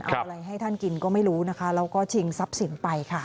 เอาอะไรให้ท่านกินก็ไม่รู้นะคะแล้วก็ชิงทรัพย์สินไปค่ะ